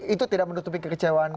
itu tidak menutupi kekecewaan